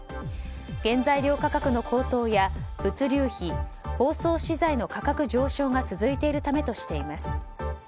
原材料価格の高騰や物流費包装資材の価格上昇が続いているためとしています。